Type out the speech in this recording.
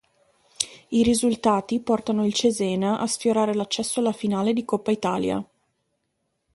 I risultati portano il Cesena a sfiorare l'accesso alla finale di Coppa Italia.